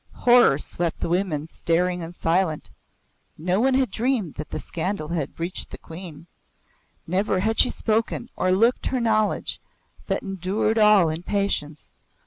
Horror kept the women staring and silent. No one had dreamed that the scandal had reached the Queen. Never had she spoken or looked her knowledge but endured all in patience.